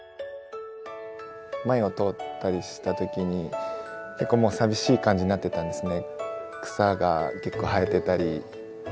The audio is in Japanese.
前を通ったりした時に結構もう寂しい感じになってたんですね。